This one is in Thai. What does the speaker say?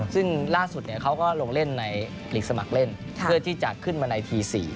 ซึ่งล่าสุดเขาก็ลงเล่นในหลีกสมัครเล่นเพื่อที่จะขึ้นมาในที๔